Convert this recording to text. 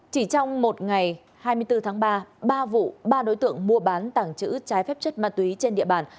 chỉ trong một ngày hai mươi bốn tháng ba ba vụ ba đối tượng mua bán tàng trữ trái phép chất ma túy trên địa bàn